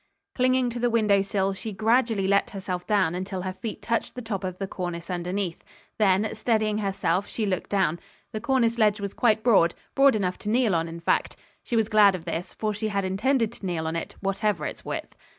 Clinging to the window sill, she gradually let herself down until her feet touched the top of the cornice underneath. Then, steadying herself she looked down. The cornice ledge was quite broad; broad enough to kneel on, in fact. She was glad of this, for she had intended to kneel on it, whatever its width.